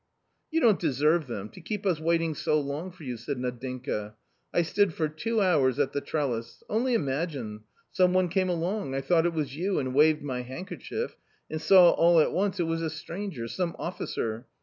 "You don't deserve them! to keep us waiting so long for you !" said Nadinka :" I stood for two hours at the trellis ; only imagine ! some one came along ; I thought it was you and waved my handkerchief, and saw all at once it was a stranger, some officer.